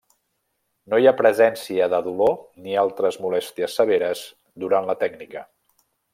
No hi ha presència de dolor ni altres molèsties severes durant la tècnica.